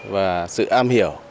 và sự am hiểu